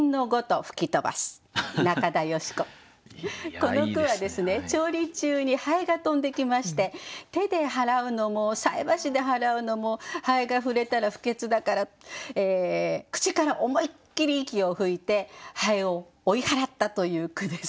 この句は調理中に蠅が飛んできまして手で払うのも菜箸で払うのも蠅が触れたら不潔だから口から思いっきり息を吹いて蠅を追い払ったという句です。